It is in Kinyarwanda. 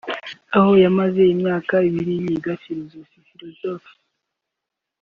aho yamaze imyaka ibiri yiga Filozofi (Philosophy)